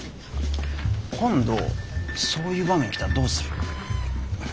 今度そういう場面来たらどうする？